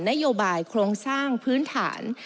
นโยบายโครงสร้างพื้นฐาน